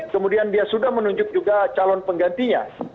kemudian dia sudah menunjuk juga calon penggantinya